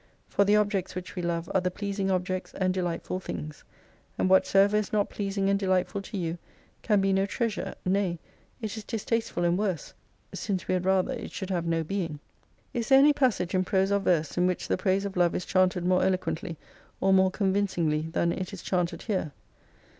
For the objects which we love are the pleasing objects, and delightful things. And whatsoever is not pleasing and delightful to you can be no treasure, nay, it is distasteful and worse, since we had rather it should have no being." Is there any passage in prose or verse in which the praise of love is chanted more eloquently or more con vincingly than it is chanted here